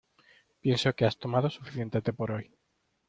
Pienso que has tomado suficiente té por hoy.